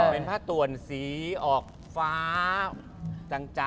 เป็นผ้าต่วนสีออกฟ้าจัง